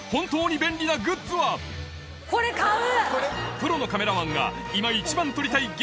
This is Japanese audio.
プロのカメラマンが今一番撮りたい激